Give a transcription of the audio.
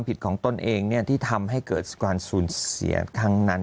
ไฟฟ้